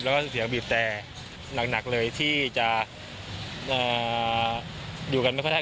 แล้วก็เสียงบีบแต่หนักเลยที่จะอยู่กันไม่ค่อยได้